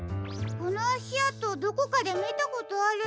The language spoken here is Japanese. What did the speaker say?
このあしあとどこかでみたことあるような。